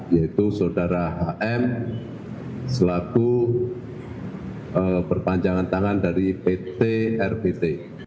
yaitu saudara hm selaku perpanjangan tangan dari pt rbt